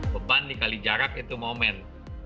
beban dikali jarak itu momen